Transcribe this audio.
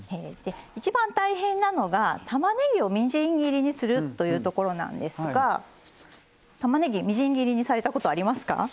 一番大変なのが、たまねぎをみじん切りにするというところなんですがたまねぎ、みじん切りにされたことありますか？